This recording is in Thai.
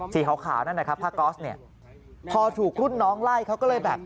สีขาวนั่นนะครับผ้าก๊อสเนี่ยพอถูกรุ่นน้องไล่เขาก็เลยแบบ